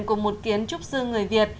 của một kiến trúc sư người việt